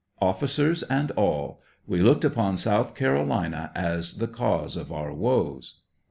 Officers and all ; we looked upon South Carolina as the cause of our woes.